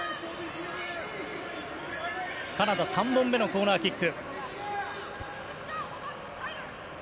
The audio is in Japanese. カナダ、３本目のコーナーキック。